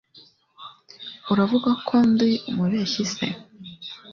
Uravuga ko ndi umubeshyi se?